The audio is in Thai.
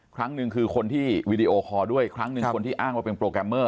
ครั้งหนึ่งคือคนที่วีดีโอคอร์ด้วยครั้งหนึ่งคนที่อ้างว่าเป็นโปรแกรมเมอร์